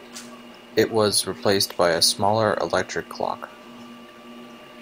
It was replaced by a smaller, electric clock.